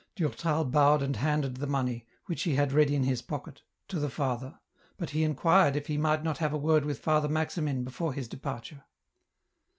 Durtal bowed and handed the money, which he had ready in his pocket, to the father, but he inquired if he might not have a word with Father Maximin before his departure.